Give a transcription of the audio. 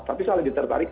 tapi soalnya ditarik